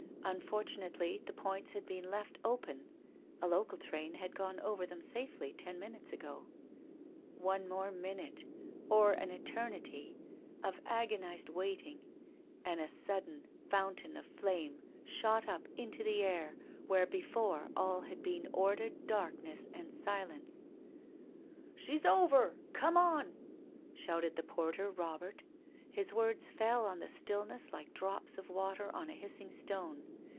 Unfortunately the points had been left open; a local train had gone over them safely ten minutes ago. ... One more minute — or an eternity — of agonized wait ing, and a sudden fountain of flame shot up into the air where before all had been ordered darkness and silence. * She's over ! Come on !' shouted the porter Robert. His words fell on the stillness like drops of water on a hissing stone.